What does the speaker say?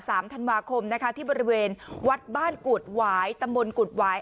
สามธันวาคมนะคะที่บริเวณวัดบ้านกุฎหวายตำบลกุฎหวาย